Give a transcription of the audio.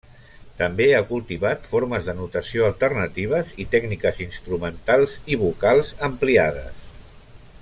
També ha cultivat formes de notació alternatives i tècniques instrumentals i vocals ampliades.